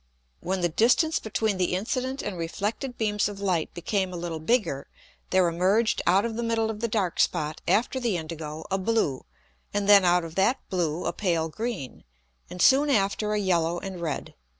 When the distance between the incident and reflected beams of Light became a little bigger, there emerged out of the middle of the dark Spot after the indigo a blue, and then out of that blue a pale green, and soon after a yellow and red.